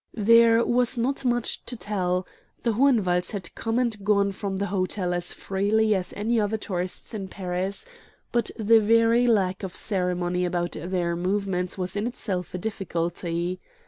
There was not much to tell; the Hohenwalds had come and gone from the hotel as freely as any other tourists in Paris, but the very lack of ceremony about their movements was in itself a difficulty.